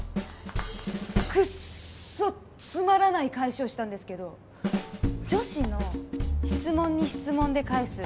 くっそつまらない返しをしたんですけど女子の質問に質問で返す